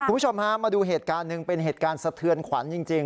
คุณผู้ชมฮะมาดูเหตุการณ์หนึ่งเป็นเหตุการณ์สะเทือนขวัญจริง